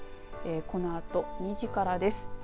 このあと２時からです。